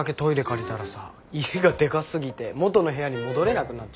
借りたらさ家がでかすぎて元の部屋に戻れなくなっちゃってさ。